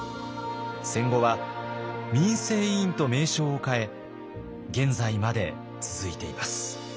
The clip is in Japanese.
戦後は民生委員と名称を変え現在まで続いています。